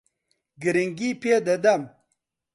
گرنگی پێ دەدەم.